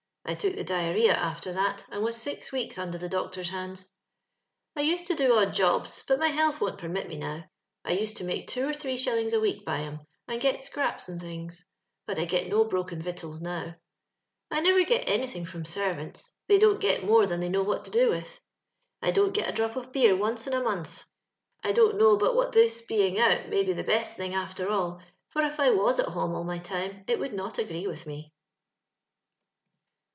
I took the diar , rliuea after that, and was six weeks under the LONDON LABOUB AND THE LONDON POOR. 481 doctor's hands. I used to do odd jobs, bat mj health won't peimit me now. I used to make two or three shillings a week by 'em, and get scraps and things. Bat I get no broken yic taals now. " I never get anything from servants ; they dont get mr»^ than they know what to do with. ^ I don't get a drop of beer once in a month. " I dont know but what this being oat may be the best t *ng, after all ; for if I was at home all my time, it woald not agree with me."